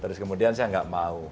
terus kemudian saya nggak mau